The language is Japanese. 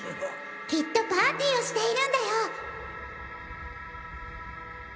きっとパーティーをしているんだよ！